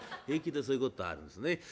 平気でそういうことあるんですね。